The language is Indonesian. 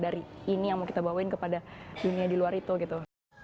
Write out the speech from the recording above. dari ini yang mau kita bawain kepada dunia di luar itu gitu